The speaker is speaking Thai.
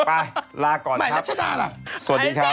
ไปลาก่อนครับสวัสดีครับไม่ใหม่รัชดาล่ะ